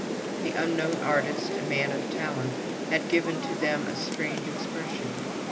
The unknown artist, a man of talent, had given to them a strange expression.